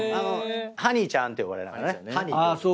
ハニーちゃんって呼ばれながらね。